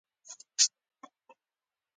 د ښځو کتار به په منځ کې وي.